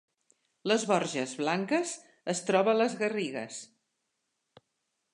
Les Borges Blanques es troba a les Garrigues